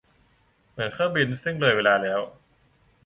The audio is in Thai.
เหมือนเครื่องบินซึ่งเลยเวลาแล้ว